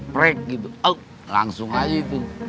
prek gitu oh langsung aja